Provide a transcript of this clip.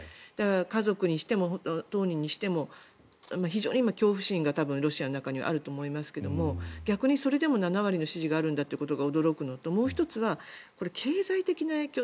家族にしても、当人にしても非常に恐怖心が多分ロシアの中にはあると思いますけど逆にそれでも７割の支持があるんだということが驚くのともう１つは経済的な影響